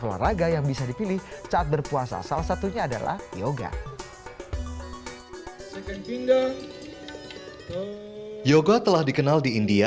olahraga yang bisa dipilih saat berpuasa salah satunya adalah yoga yoga telah dikenal di india